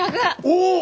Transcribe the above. おお！